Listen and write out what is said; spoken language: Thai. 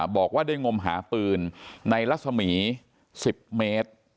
บอกว่าได้งมหาปืนในรัศมี๑๐เมตร